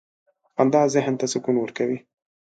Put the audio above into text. • خندا ذهن ته سکون ورکوي.